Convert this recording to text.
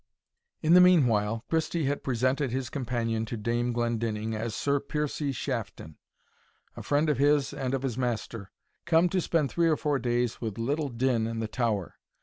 In the meanwhile, Christie had presented his companion to Dame Glendinning as Sir Piercie Shafton, a friend of his and of his master, come to spend three or four days with little din in the tower.